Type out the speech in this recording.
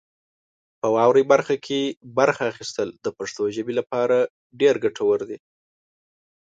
په واورئ برخه کې برخه اخیستل د پښتو ژبې لپاره ډېر ګټور دي.